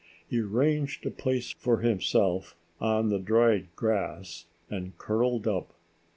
He arranged a place for himself on the dried grass and curled up.